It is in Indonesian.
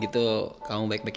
kita mundur berduanya